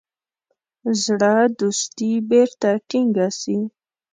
زړه دوستي بیرته ټینګه سي.